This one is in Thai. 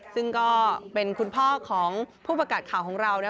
ซึ่งก็เป็นคุณพ่อของผู้ประกาศข่าวของเรานะ